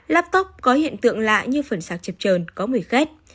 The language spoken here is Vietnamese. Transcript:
laptok có hiện tượng lạ như phần sạc chập trờn có mười khét